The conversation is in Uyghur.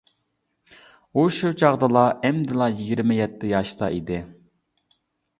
ئۇ، شۇ چاغدىلا ئەمدىلا يىگىرمە يەتتە ياشتا ئىدى.